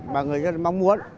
mà người dân mong muốn